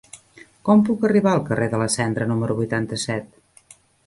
Com puc arribar al carrer de la Cendra número vuitanta-set?